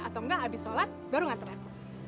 atau enggak abis sholat baru nantri aku